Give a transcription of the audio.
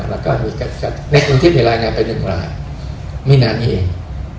แล้วก็มีในคนที่มีรายงานไปหนึ่งรายไม่นานเอง